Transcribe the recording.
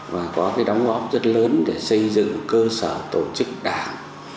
và có cái đóng góp rất lớn để xây dựng cơ sở tổ chức đảng